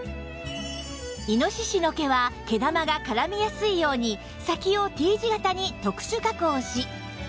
猪の毛は毛玉が絡みやすいように先を Ｔ 字形に特殊加工し